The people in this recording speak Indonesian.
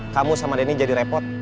kamu sama denny jadi repot